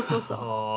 ああ。